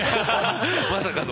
まさかの。